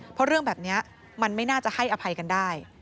เพราะเรื่องแบบนี้มันไม่น่าจะให้อภัยกันได้